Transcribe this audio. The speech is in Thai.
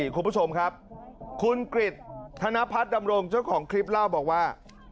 คุณผู้ชมครับคุณกริจธนพัฒน์ดำรงเจ้าของคลิปเล่าบอกว่า